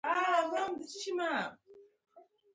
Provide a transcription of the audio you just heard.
پاتې کارونه به ټول زه پر غاړه واخلم.